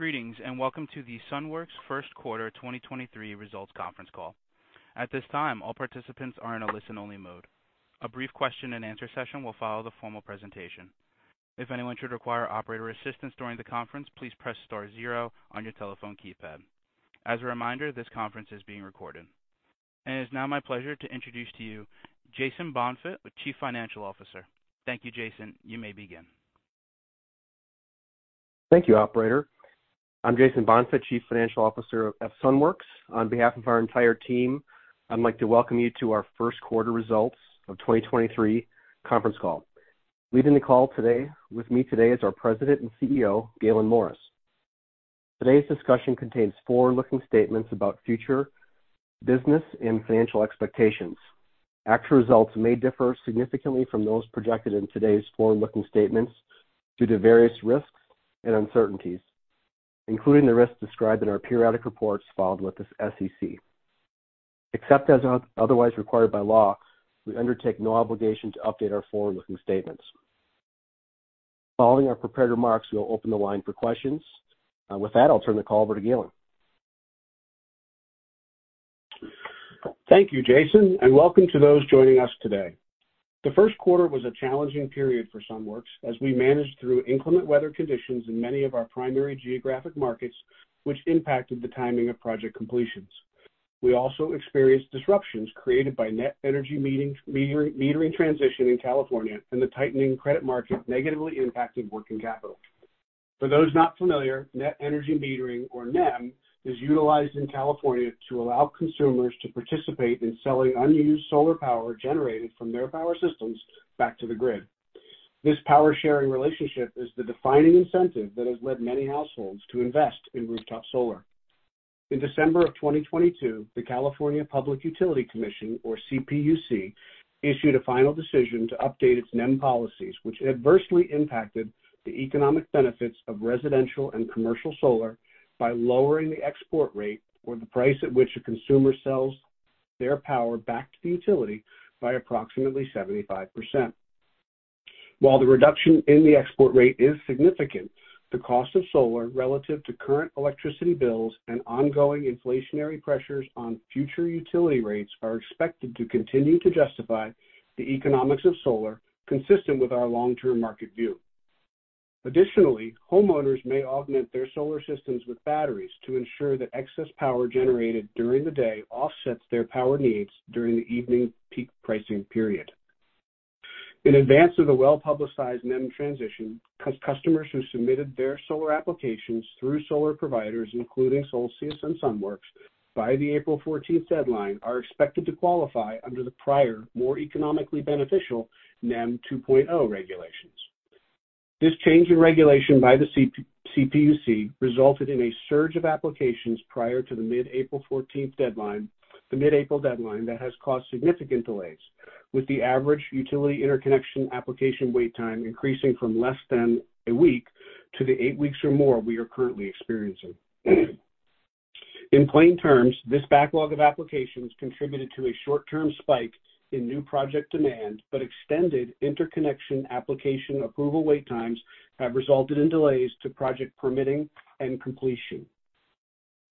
Greetings, welcome to the Sunworks First Quarter 2023 Results Conference Call. At this time, all participants are in a listen-only mode. A brief question and answer session will follow the formal presentation. If anyone should require operator assistance during the conference, please press star zero on your telephone keypad. As a reminder, this conference is being recorded. It is now my pleasure to introduce to you Jason Bonfigt, the Chief Financial Officer. Thank you, Jason. You may begin. Thank you, Operator. I'm Jason Bonfigt, Chief Financial Officer of Sunworks. On behalf of our entire team, I'd like to welcome you to our first quarter results of 2023 conference call. Leading the call today, with me today is our President and CEO, Gaylon Morris. Today's discussion contains forward-looking statements about future business and financial expectations. Actual results may differ significantly from those projected in today's forward-looking statements due to various risks and uncertainties, including the risks described in our periodic reports filed with the SEC. Except as otherwise required by law, we undertake no obligation to update our forward-looking statements. Following our prepared remarks, we'll open the line for questions. With that, I'll turn the call over to Gaylon. Thank you, Jason. Welcome to those joining us today. The first quarter was a challenging period for Sunworks as we managed through inclement weather conditions in many of our primary geographic markets, which impacted the timing of project completions. We also experienced disruptions created by Net Energy Metering transition in California. The tightening credit market negatively impacted working capital. For those not familiar, Net Energy Metering, or NEM, is utilized in California to allow consumers to participate in selling unused solar power generated from their power systems back to the grid. This power-sharing relationship is the defining incentive that has led many households to invest in rooftop solar. In December of 2022, the California Public Utilities Commission, or CPUC, issued a final decision to update its NEM policies, which adversely impacted the economic benefits of residential and commercial solar by lowering the export rate or the price at which a consumer sells their power back to the utility by approximately 75%. While the reduction in the export rate is significant, the cost of solar relative to current electricity bills and ongoing inflationary pressures on future utility rates are expected to continue to justify the economics of solar, consistent with our long-term market view. Additionally, homeowners may augment their solar systems with batteries to ensure that excess power generated during the day offsets their power needs during the evening peak pricing period. In advance of the well-publicized NEM transition, customers who submitted their solar applications through solar providers, including Solcius and Sunworks, by the April 14th deadline, are expected to qualify under the prior, more economically beneficial NEM 2.0 regulations. This change in regulation by the CPUC resulted in a surge of applications prior to the mid-April 14th deadline, that has caused significant delays, with the average utility interconnection application wait time increasing from less than a week to the eight weeks or more we are currently experiencing. In plain terms, this backlog of applications contributed to a short-term spike in new project demand, but extended interconnection application approval wait times have resulted in delays to project permitting and completion.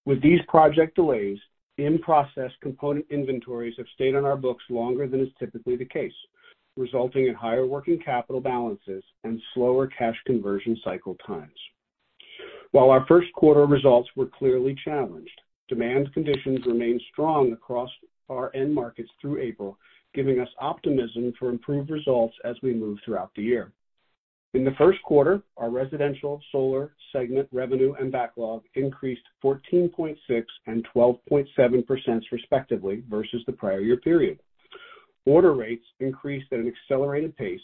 With these project delays, in-process component inventories have stayed on our books longer than is typically the case, resulting in higher working capital balances and slower cash conversion cycle times. While our first quarter results were clearly challenged, demand conditions remained strong across our end markets through April, giving us optimism for improved results as we move throughout the year. In the first quarter, our residential solar segment revenue and backlog increased 14.6 and 12.7%, respectively, versus the prior year period. Order rates increased at an accelerated pace,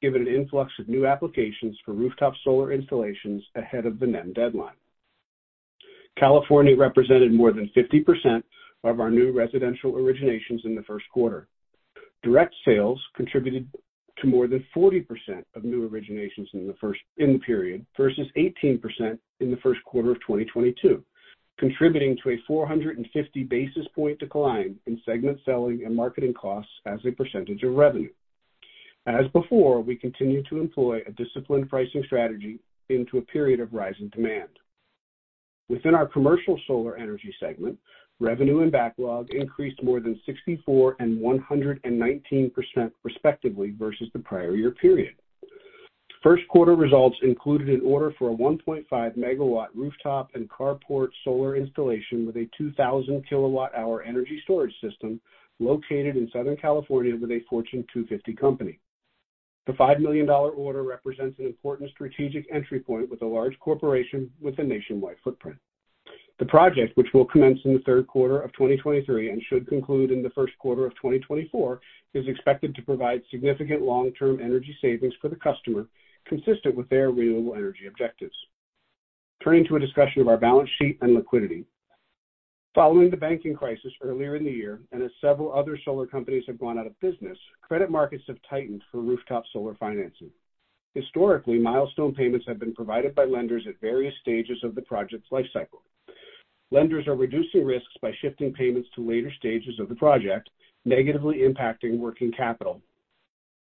given an influx of new applications for rooftop solar installations ahead of the NEM deadline. California represented more than 50% of our new residential originations in the first quarter. Direct sales contributed to more than 40% of new originations in the period, versus 18% in the first quarter of 2022, contributing to a 450 basis point decline in segment selling and marketing costs as a percentage of revenue. As before, we continue to employ a disciplined pricing strategy into a period of rising demand. Within our commercial solar energy segment, revenue and backlog increased more than 64% and 119%, respectively, versus the prior year period. First quarter results included an order for a 1.5 megawatt rooftop and carport solar installation with a 2,000 kilowatt-hour energy storage system located in Southern California with a Fortune 250 company. The $5 million order represents an important strategic entry point with a large corporation with a nationwide footprint. The project, which will commence in the third quarter of 2023 and should conclude in the first quarter of 2024, is expected to provide significant long-term energy savings for the customer, consistent with their renewable energy objectives. Turning to a discussion of our balance sheet and liquidity. Following the banking crisis earlier in the year, and as several other solar companies have gone out of business, credit markets have tightened for rooftop solar financing. Historically, milestone payments have been provided by lenders at various stages of the project's life cycle. Lenders are reducing risks by shifting payments to later stages of the project, negatively impacting working capital.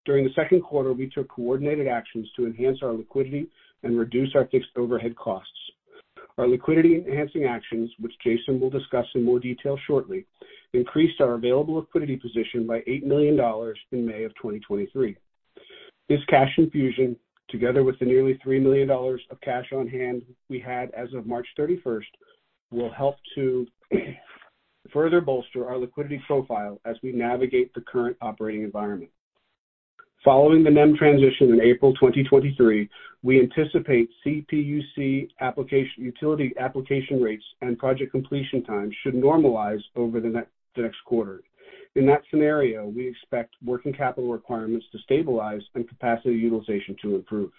During the second quarter, we took coordinated actions to enhance our liquidity and reduce our fixed overhead costs. Our liquidity-enhancing actions, which Jason will discuss in more detail shortly, increased our available liquidity position by $8 million in May 2023. This cash infusion, together with the nearly $3 million of cash on hand we had as of March 31st, will help to further bolster our liquidity profile as we navigate the current operating environment. Following the NEM transition in April 2023, we anticipate CPUC application, utility application rates and project completion times should normalize over the next quarter. In that scenario, we expect working capital requirements to stabilize and capacity utilization to improve.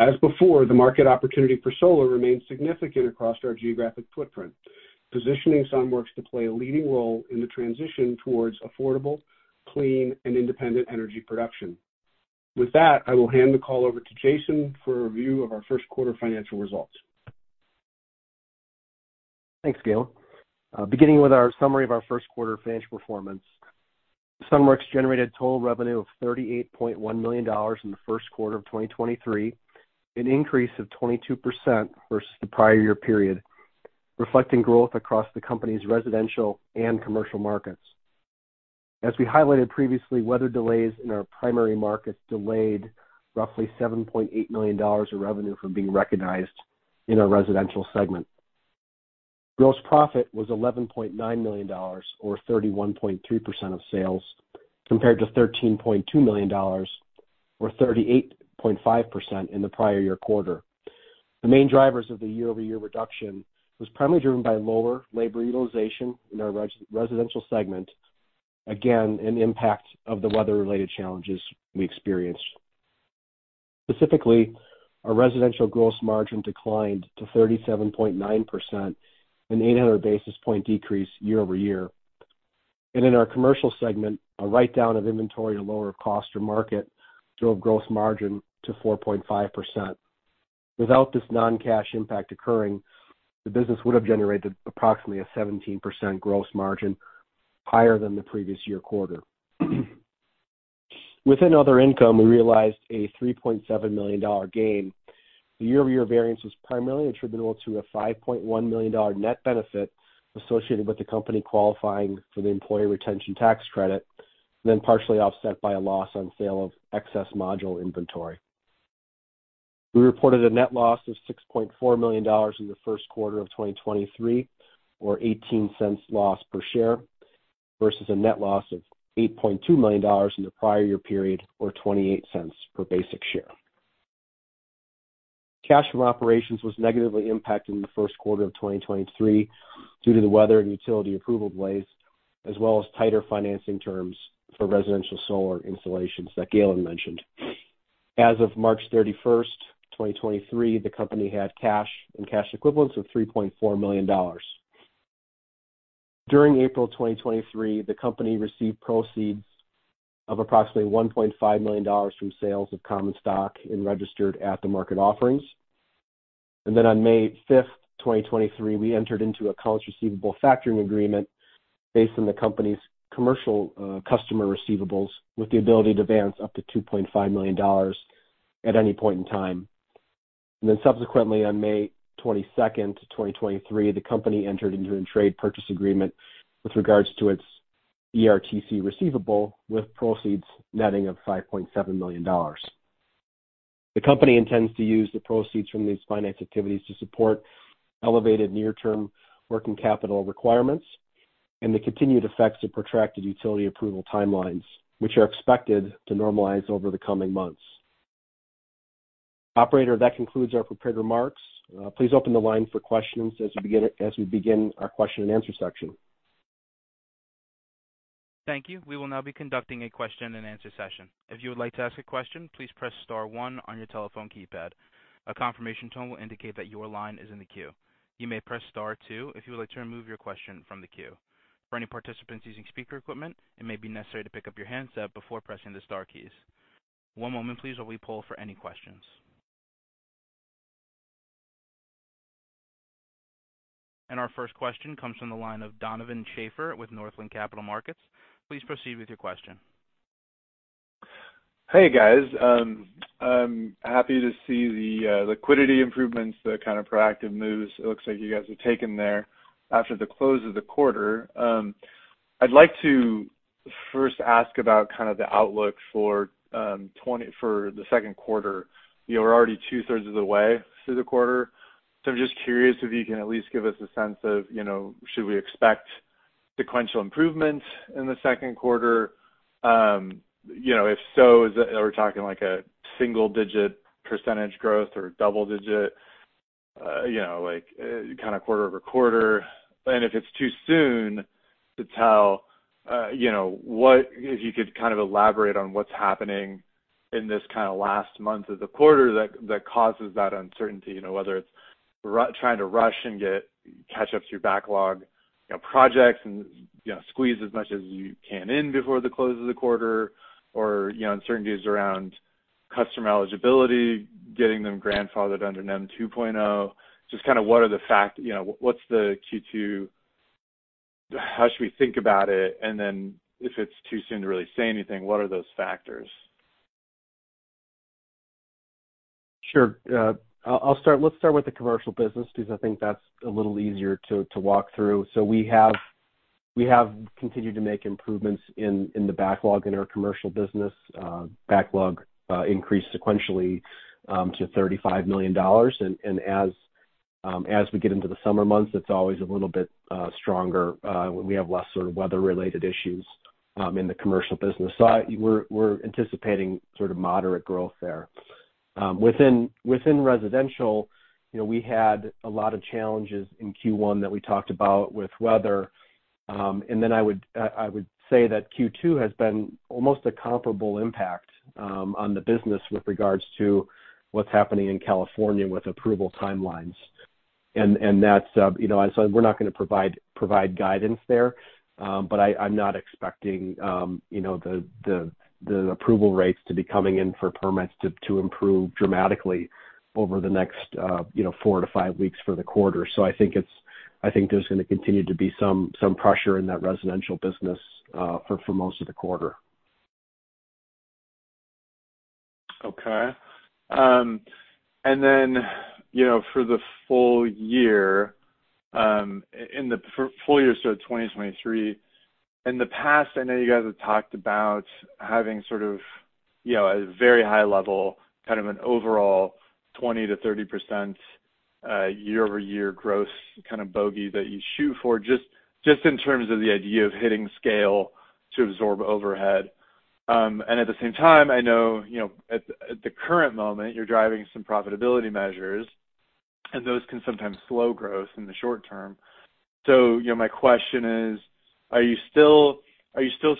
As before, the market opportunity for solar remains significant across our geographic footprint, positioning Sunworks to play a leading role in the transition towards affordable, clean, and independent energy production. With that, I will hand the call over to Jason for a review of our first quarter financial results. Thanks, Gail. Beginning with our summary of our first quarter financial performance, Sunworks generated total revenue of $38.1 million in the first quarter of 2023, an increase of 22% versus the prior year period, reflecting growth across the company's residential and commercial markets. As we highlighted previously, weather delays in our primary markets delayed roughly $7.8 million of revenue from being recognized in our residential segment. Gross profit was $11.9 million, or 31.3% of sales, compared to $13.2 million, or 38.5% in the prior year quarter. The main drivers of the year-over-year reduction was primarily driven by lower labor utilization in our residential segment, again, an impact of the weather-related challenges we experienced. Specifically, our residential gross margin declined to 37.9%, an 800 basis point decrease year-over-year. In our commercial segment, a write-down of inventory and lower cost or market drove gross margin to 4.5%. Without this non-cash impact occurring, the business would have generated approximately a 17% gross margin, higher than the previous year quarter. Within other income, we realized a $3.7 million gain. The year-over-year variance was primarily attributable to a $5.1 million net benefit associated with the company qualifying for the Employee Retention Tax Credit, partially offset by a loss on sale of excess module inventory. We reported a net loss of $6.4 million in the first quarter of 2023, or $0.18 loss per share, versus a net loss of $8.2 million in the prior year period, or $0.28 per basic share. Cash from operations was negatively impacted in the first quarter of 2023 due to the weather and utility approval delays, as well as tighter financing terms for residential solar installations that Gail had mentioned. As of March 31st, 2023, the company had cash and cash equivalents of $3.4 million. During April 2023, the company received proceeds of approximately $1.5 million from sales of common stock in registered at-the-market offerings. On May 5th, 2023, we entered into accounts receivable factoring agreement based on the company's commercial customer receivables, with the ability to advance up to $2.5 million at any point in time. Subsequently, on May 22nd, 2023, the company entered into a trade purchase agreement with regards to its ERTC receivable, with proceeds netting of $5.7 million. The company intends to use the proceeds from these finance activities to support elevated near-term working capital requirements and the continued effects of protracted utility approval timelines, which are expected to normalize over the coming months. Operator, that concludes our prepared remarks. Please open the line for questions as we begin our question-and-answer section. Thank you. We will now be conducting a question-and-answer session. If you would like to ask a question, please press star one on your telephone keypad. A confirmation tone will indicate that your line is in the queue. You may press star two if you would like to remove your question from the queue. For any participants using speaker equipment, it may be necessary to pick up your handset before pressing the star keys. One moment, please, while we poll for any questions. Our first question comes from the line of Donovan Schafer with Northland Capital Markets. Please proceed with your question. Hey, guys. I'm happy to see the liquidity improvements, the kind of proactive moves it looks like you guys have taken there after the close of the quarter. I'd like to first ask about kind of the outlook for the second quarter. You're already two-thirds of the way through the quarter. I'm just curious if you can at least give us a sense of, you know, should we expect sequential improvement in the second quarter? You know, if so, is that we're talking like a single-digit percentage growth or double-digit, you know, like kind of quarter-over-quarter? If it's too soon to tell, you know, what, if you could kind of elaborate on what's happening in this kind of last month of the quarter that causes that uncertainty, you know, whether it's trying to rush and get catch up through backlog, you know, projects and, you know, squeeze as much as you can in before the close of the quarter, or, you know, uncertainties around customer eligibility, getting them grandfathered under NEM 2.0. Just kind of what's the Q2, how should we think about it? Then if it's too soon to really say anything, what are those factors? Sure, let's start with the commercial business because I think that's a little easier to walk through. We have continued to make improvements in the backlog in our commercial business. Backlog increased sequentially to $35 million. As we get into the summer months, it's always a little bit stronger when we have less sort of weather-related issues in the commercial business. We're anticipating sort of moderate growth there. Within residential, you know, we had a lot of challenges in Q1 that we talked about with weather. I would say that Q2 has been almost a comparable impact on the business with regards to what's happening in California with approval timelines. That's, you know, so we're not gonna provide guidance there. I'm not expecting, you know, the approval rates to be coming in for permits to improve dramatically over the next, you know, 4-5 weeks for the quarter. I think there's gonna continue to be some pressure in that residential business for most of the quarter. Okay. Then, you know, for the full year, in the full year, so 2023, in the past, I know you guys have talked about having sort of, you know, a very high level, kind of an overall 20%-30% year-over-year growth kind of bogey that you shoot for, just in terms of the idea of hitting scale to absorb overhead. At the same time, I know, you know, at the current moment, you're driving some profitability measures, and those can sometimes slow growth in the short term. You know, my question is: Are you still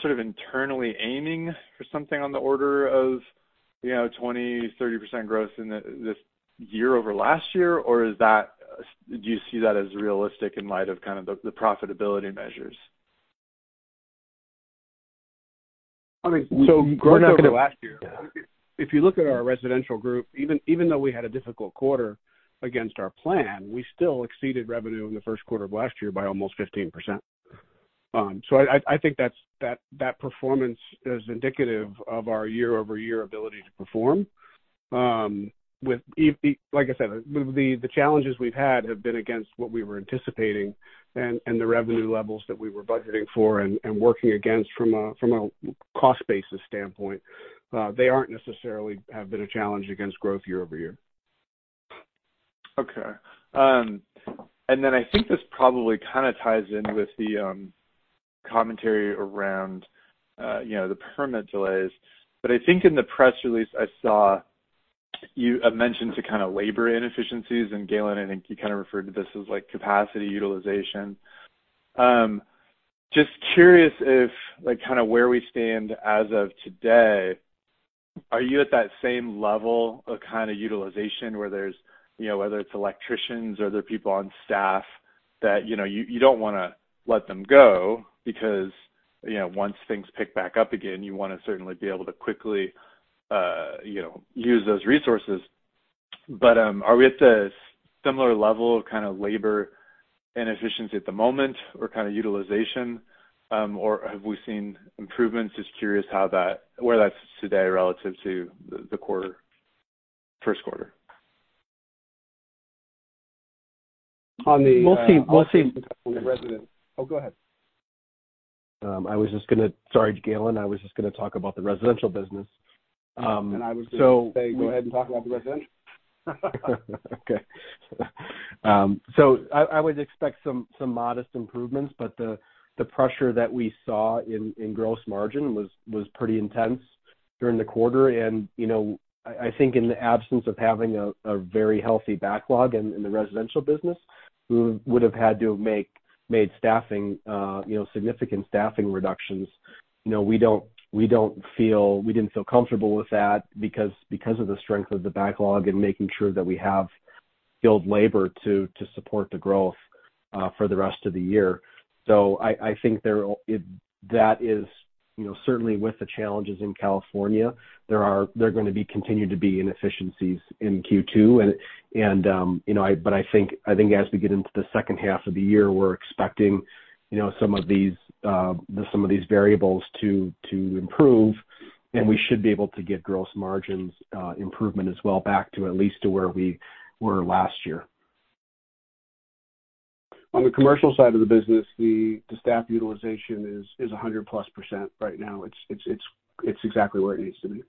sort of internally aiming for something on the order of, you know, 20%-30% growth in this year over last year? Or do you see that as realistic in light of kind of the profitability measures? I mean, we're not gonna last year. If you look at our residential group, even though we had a difficult quarter against our plan, we still exceeded revenue in the first quarter of last year by almost 15%. I think that's, that performance is indicative of our year-over-year ability to perform. With like I said, the challenges we've had have been against what we were anticipating and the revenue levels that we were budgeting for and working against from a cost basis standpoint. They aren't necessarily have been a challenge against growth year-over-year. Okay, I think this probably kind of ties in with the commentary around, you know, the permit delays. I think in the press release, I saw you mentioned to kind of labor inefficiencies, and Gaylon, I think you kind of referred to this as, like, capacity utilization. Just curious if, like, kind of where we stand as of today, are you at that same level of kind of utilization where there's, you know, whether it's electricians or other people on staff, that, you know, you don't wanna let them go because, you know, once things pick back up again, you wanna certainly be able to quickly use those resources. Are we at a similar level of kind of labor inefficiency at the moment, or kind of utilization? Have we seen improvements? Just curious where that's today relative to the quarter, first quarter? On the We'll see, we'll see. Oh, go ahead. Sorry, Gaylon, I was just gonna talk about the residential business. I was gonna say, go ahead and talk about the residential. Okay. I would expect some modest improvements, but the pressure that we saw in gross margin was pretty intense during the quarter. You know, I think in the absence of having a very healthy backlog in the residential business, we would have had to made staffing, you know, significant staffing reductions. You know, we didn't feel comfortable with that because of the strength of the backlog and making sure that we have skilled labor to support the growth for the rest of the year. I think there, that is, you know, certainly with the challenges in California, there are gonna be, continue to be inefficiencies in Q2. You know, I think as we get into the second half of the year, we're expecting, you know, some of these variables to improve, and we should be able to get gross margins improvement as well, back to at least to where we were last year. On the commercial side of the business, the staff utilization is 100+% right now. It's exactly where it needs to be.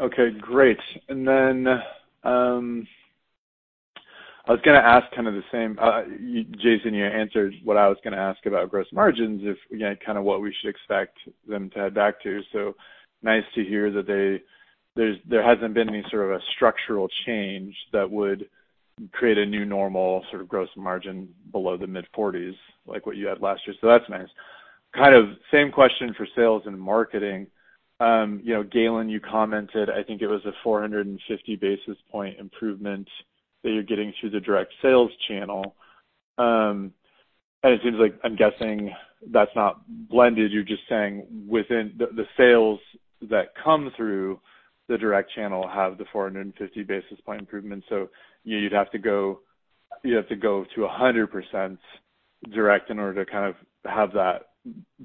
Okay, great. I was gonna ask kind of the same, Jason, you answered what I was gonna ask about gross margins, if, you know, kind of what we should expect them to head back to. Nice to hear that there's, there hasn't been any sort of a structural change that would create a new normal sort of gross margin below the mid-40s, like what you had last year. That's nice. Kind of same question for sales and marketing. You know, Gaylon, you commented, I think it was a 450 basis point improvement that you're getting through the direct sales channel. It seems like I'm guessing that's not blended. You're just saying within the, that come through the direct channel have the 450 basis point improvement. You know, you'd have to go to 100% direct in order to kind of have that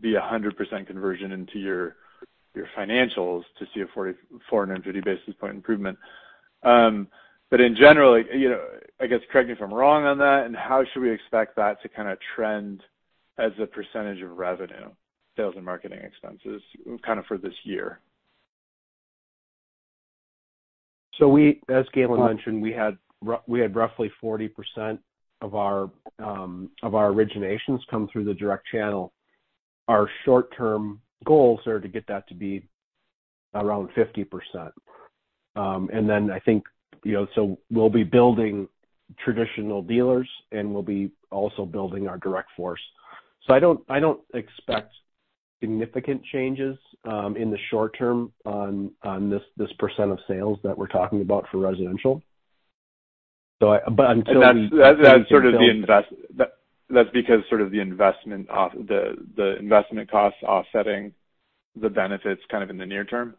be 100% conversion into your financials to see a 4,450 basis point improvement. In general, you know, I guess correct me if I'm wrong on that, and how should we expect that to kind of trend as a percentage of revenue, sales, and marketing expenses, kind of for this year? We, as Gaylon mentioned, we had roughly 40% of our originations come through the direct channel. Our short-term goals are to get that to be around 50%. I think, you know, we'll be building traditional dealers, and we'll be also building our direct force. I don't expect significant changes in the short term on this percent of sales that we're talking about for residential. I, but until That's sort of the That's because sort of the investment off the investment costs offsetting the benefits kind of in the near term?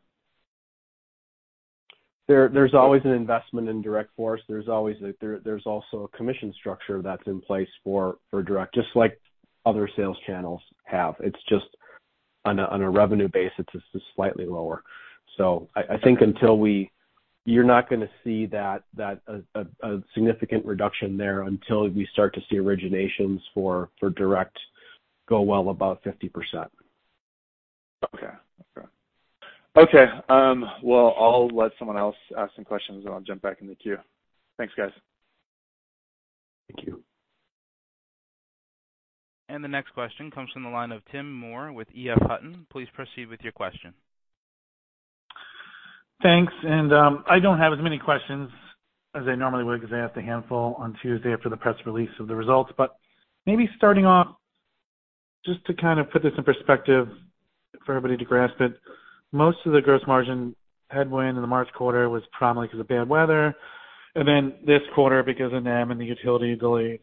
There's always an investment in direct force. There's also a commission structure that's in place for direct, just like other sales channels have. It's just on a revenue basis, it's just slightly lower. I think until we, you're not gonna see that a significant reduction there until we start to see originations for direct go well above 50%. Okay. Okay. Okay, well, I'll let someone else ask some questions, and I'll jump back in the queue. Thanks, guys. Thank you. The next question comes from the line of Tim Moore with EF Hutton. Please proceed with your question. Thanks. I don't have as many questions as I normally would because I asked a handful on Tuesday after the press release of the results. Maybe starting off, just to kind of put this in perspective for everybody to grasp it, most of the gross margin headwind in the March quarter was primarily because of bad weather, and then this quarter, because of NEM and the utility delay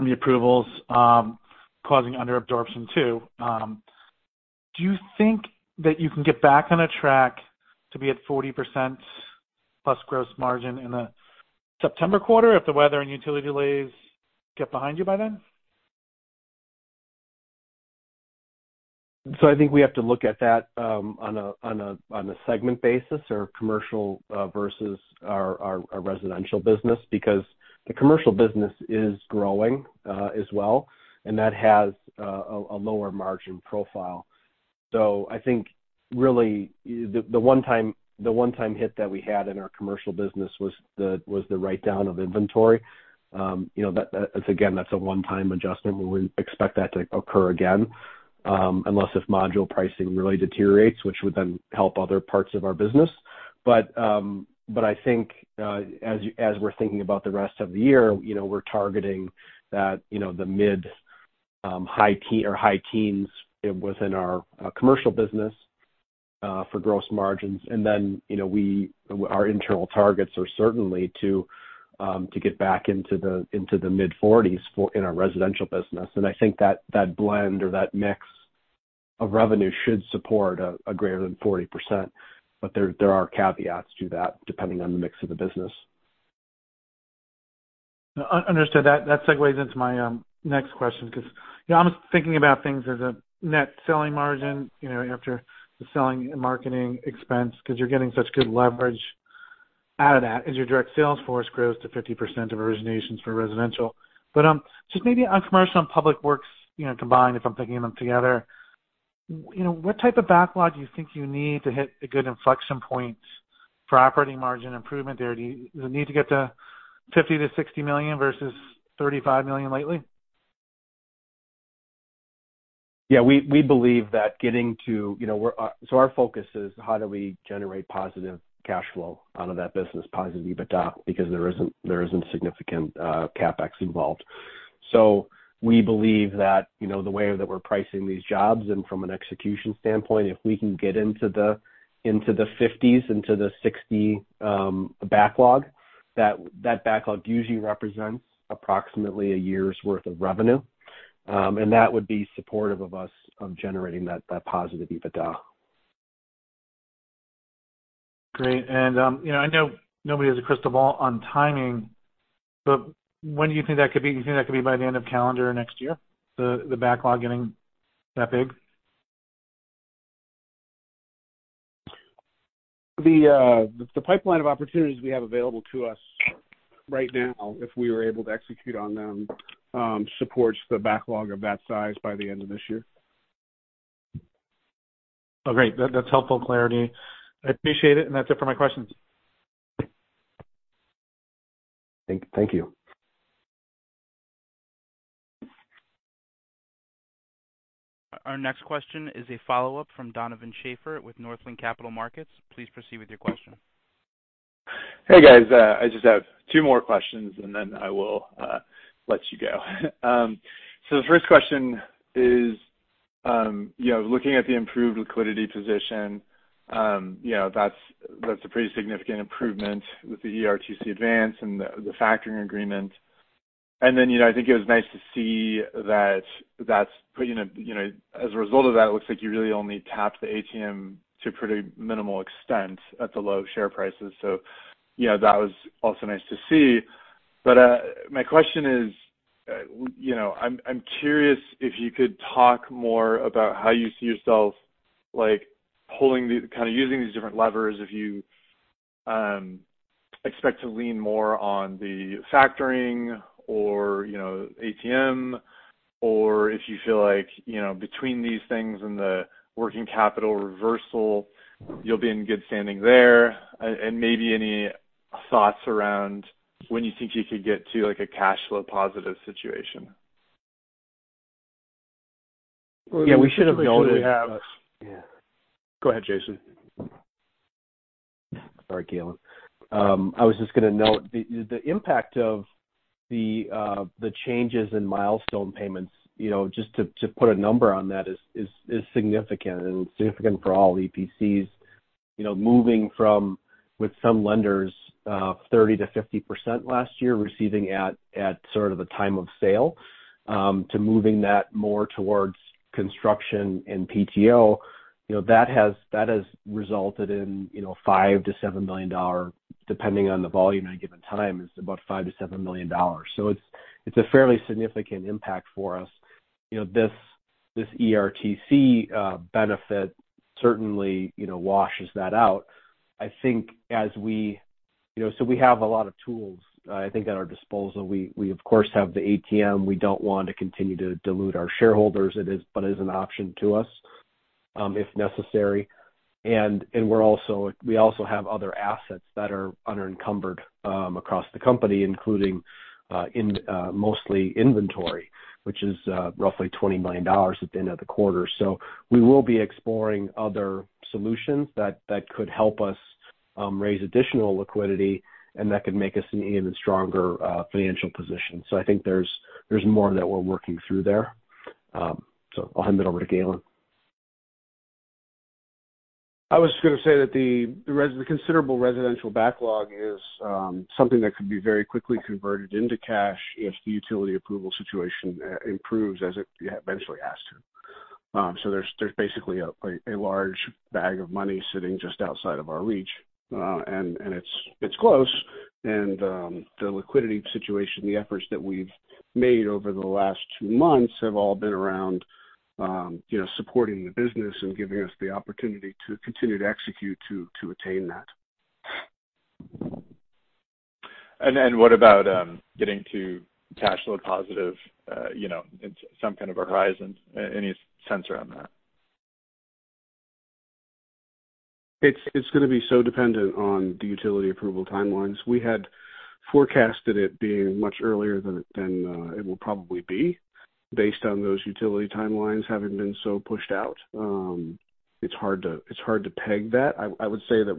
and the approvals, causing under absorption too. Do you think that you can get back on a track to be at 40% plus gross margin in the September quarter if the weather and utility delays get behind you by then? I think we have to look at that on a segment basis or commercial versus our residential business, because the commercial business is growing as well, and that has a lower margin profile. I think really, the one-time hit that we had in our commercial business was the write-down of inventory. You know, again, that's a one-time adjustment, we wouldn't expect that to occur again, unless if module pricing really deteriorates, which would then help other parts of our business. I think as we're thinking about the rest of the year, you know, we're targeting that, you know, the mid high teens within our commercial business for gross margins. You know, our internal targets are certainly to get back into the mid-40s for, in our residential business. I think that blend or that mix of revenue should support a greater than 40%. There are caveats to that, depending on the mix of the business. Understood. That segues into my next question because, you know, I'm thinking about things as a net selling margin, you know, after the selling and marketing expense, because you're getting such good leverage out of that as your direct sales force grows to 50% of originations for residential. Just maybe on commercial and public works, you know, combined, if I'm thinking of them together, you know, what type of backlog do you think you need to hit a good inflection point for operating margin improvement there? Do you need to get to $50 million-$60 million versus $35 million lately? Yeah, we believe that getting to, you know, our focus is how do we generate positive cash flow out of that business, positive EBITDA, because there isn't significant CapEx involved. We believe that, you know, the way that we're pricing these jobs and from an execution standpoint, if we can get into the $50s, into the $60 backlog, that backlog usually represents approximately a year's worth of revenue. That would be supportive of us of generating that positive EBITDA. Great. You know, I know nobody has a crystal ball on timing, but when do you think that could be? Do you think that could be by the end of calendar next year, the backlog getting that big? The pipeline of opportunities we have available to us right now, if we were able to execute on them, supports the backlog of that size by the end of this year. Oh, great! That's helpful clarity. I appreciate it. That's it for my questions. Thank you. Our next question is a follow-up from Donovan Schafer with Northland Capital Markets. Please proceed with your question. Hey, guys. I just have two more questions, and then I will let you go. The first question is, you know, looking at the improved liquidity position, you know, that's a pretty significant improvement with the ERTC advance and the factoring agreement. You know, I think it was nice to see that that's putting as a result of that, it looks like you really only tapped the ATM to a pretty minimal extent at the low share prices. You know, that was also nice to see. My question is, you know, I'm curious if you could talk more about how you see yourself like pulling kind of using these different levers. If you expect to lean more on the factoring or, you know, ATM, or if you feel like, you know, between these things and the working capital reversal, you'll be in good standing there. Maybe any thoughts around when you think you could get to, like, a cash flow positive situation? Yeah, we should have known. Go ahead, Jason. Sorry, Gaylon. I was just gonna note the impact of the changes in milestone payments, you know, just to put a number on that is significant and significant for all EPCs. Moving from with some lenders, 30%-50% last year, receiving at sort of the time of sale, to moving that more towards construction and PTO, you know, that has resulted in, you know, $5 million-$7 million, depending on the volume at a given time, it's about $5 million-$7 million. It's a fairly significant impact for us. This ERTC benefit certainly, you know, washes that out. We have a lot of tools, I think, at our disposal. We, of course, have the ATM. We don't want to continue to dilute our shareholders. It is, but is an option to us, if necessary. We also have other assets that are unencumbered across the company, including in mostly inventory, which is roughly $20 million at the end of the quarter. We will be exploring other solutions that could help us raise additional liquidity, and that could make us an even stronger financial position. I think there's more that we're working through there. I'll hand it over to Gaylon. I was gonna say that the considerable residential backlog is something that could be very quickly converted into cash if the utility approval situation improves, as it eventually has to. So there's basically a large bag of money sitting just outside of our reach, and it's close. The liquidity situation, the efforts that we've made over the last two months have all been around, you know, supporting the business and giving us the opportunity to continue to execute to attain that. What about getting to cash flow positive, you know, in some kind of horizon? Any sense around that? It's gonna be so dependent on the utility approval timelines. We had forecasted it being much earlier than it will probably be, based on those utility timelines having been so pushed out. It's hard to peg that. I would say that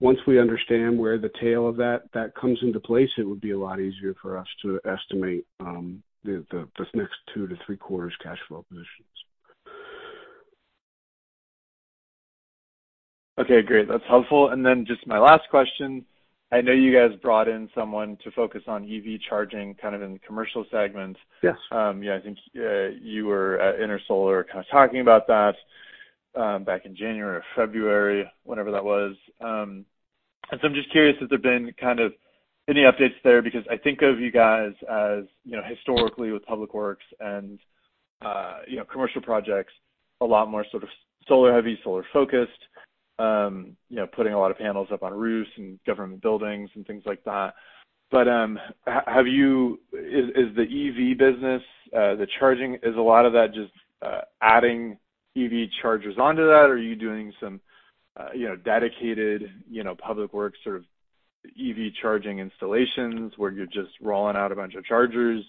once we understand where the tail of that comes into place, it would be a lot easier for us to estimate this next two to three quarters cash flow positions. Okay, great. That's helpful. Then just my last question, I know you guys brought in someone to focus on EV charging kind of in the commercial segment. Yes. Yeah, I think, you were at Intersolar kind of talking about that, back in January or February, whenever that was. I'm just curious, has there been kind of any updates there? Because I think of you guys as, you know, historically with public works and, you know, commercial projects, a lot more sort of solar heavy, solar focused, you know, putting a lot of panels up on roofs and government buildings and things like that. Is the EV business, the charging, is a lot of that just, adding EV chargers onto that, or are you doing some, you know, dedicated, public works, sort of EV charging installations, where you're just rolling out a bunch of chargers?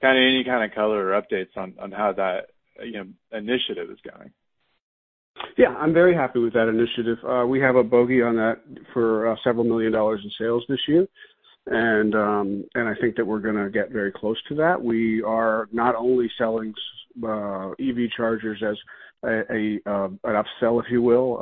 Kind of any kind of color or updates on how that, you know, initiative is going? Yeah, I'm very happy with that initiative. We have a bogey on that for several million dollars in sales this year. I think that we're gonna get very close to that. We are not only selling EV chargers as a an upsell, if you will,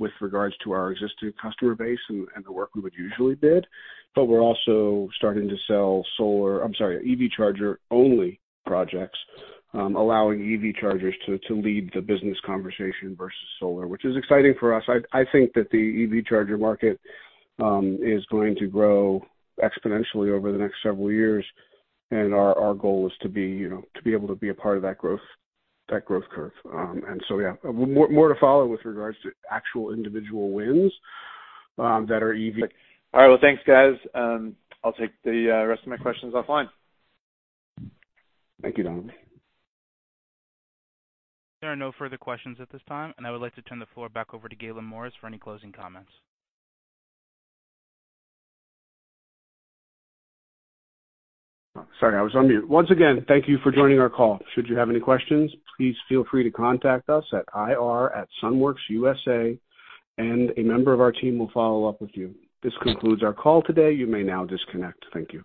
with regards to our existing customer base and the work we would usually bid, but we're also starting to sell EV charger-only projects, allowing EV chargers to lead the business conversation versus solar, which is exciting for us. I think that the EV charger market is going to grow exponentially over the next several years, and our goal is to be, you know, to be able to be a part of that growth curve. Yeah, more to follow with regards to actual individual wins that are EV. All right. Well, thanks, guys. I'll take the rest of my questions offline. Thank you, Donovan. There are no further questions at this time. I would like to turn the floor back over to Gaylon Morris for any closing comments. Sorry, I was on mute. Once again, thank you for joining our call. Should you have any questions, please feel free to contact us at IR@sunworksusa.com, and a member of our team will follow up with you. This concludes our call today. You may now disconnect. Thank you.